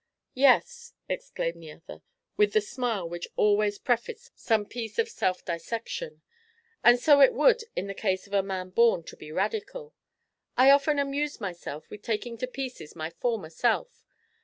"Yes," exclaimed the other, with the smile which always prefaced some piece of self dissection, "and so it would in the case of a man born to be a radical. I often amuse myself with taking to pieces my former self.